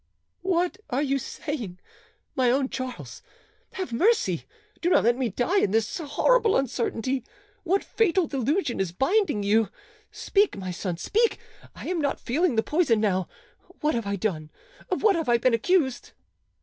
"What are you saying? My own Charles, have mercy! Do not let me die in this horrible uncertainty; what fatal delusion is blinding you? Speak, my son, speak: I am not feeling the poison now. What have I done? Of what have I been accused?"